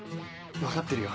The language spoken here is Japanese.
分かってるよ